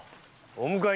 お迎え？